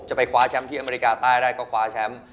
ไปคว้าแชมป์ที่อเมริกาใต้ได้ก็คว้าแชมป์